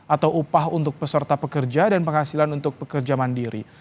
atau upah untuk peserta pekerja dan penghasilan untuk pekerja mandiri